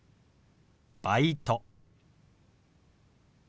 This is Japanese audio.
「バイト」。